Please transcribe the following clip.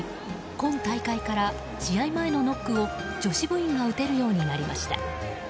今大会から試合前のノックを女子部員が打てるようになりました。